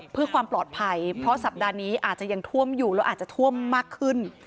เพื่อความปลอดภัยเพราะสัปดาห์นี้อาจจะยังท่วมอยู่แล้วอาจจะท่วมมากขึ้น